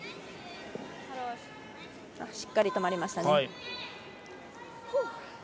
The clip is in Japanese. しっかり止まりました。